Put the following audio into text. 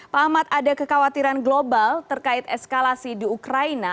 pak ahmad ada kekhawatiran global terkait eskalasi di ukraina